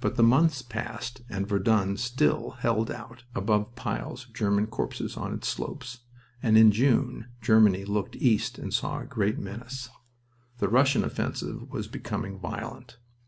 But the months passed and Verdun still held out above piles of German corpses on its slopes, and in June Germany looked east and saw a great menace. The Russian offensive was becoming violent.